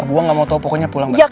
gue gak mau tau pokoknya pulang bareng